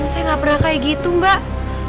saya gak pernah kayak gitu mbak